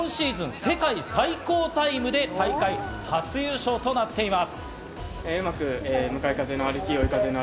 世界最高タイムで大会初優勝となっています。